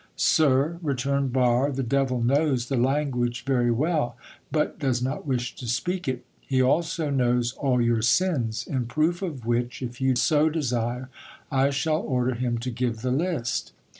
"Sir," returned Barre, "the devil knows the language very well, but, does not wish to speak it; he also knows all your sins, in proof of which, if you so desire, I shall order him to give the list."